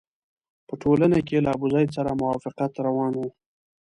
په ټولنه کې له ابوزید سره موافقت روان وو.